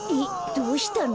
どうしたの？